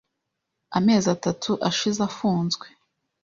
Amezi atatu ashize afunzwe.